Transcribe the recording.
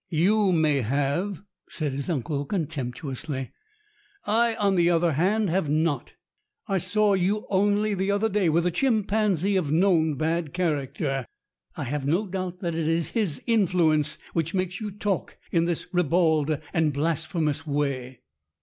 "You may have," said his uncle contemptuously. "I, on the other hand, have not. I saw you only the other day with a chimpanzee of known bad character. I have no doubt that it is his influence which makes you talk in this ribald and blasphemous way."